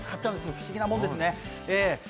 不思議なもんですね。